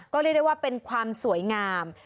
ก็เรียกได้ว่าเป็นความสวยงาม